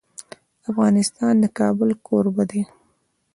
افغانستان د کابل کوربه دی.